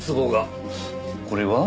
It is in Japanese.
これは？